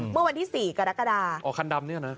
เมื่อวันที่๔กรกฎาอ๋อคันดำเนี่ยนะ